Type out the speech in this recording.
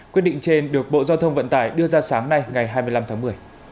quyết định trên được bộ giao thông vận tải đưa ra sáng nay ngày hai mươi năm tháng một mươi